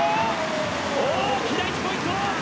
大きな１ポイント！